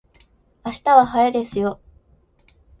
明日は晴れですよ